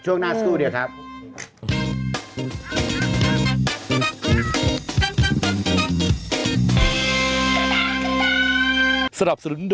ช่วงหน้าสู้เดียวครับ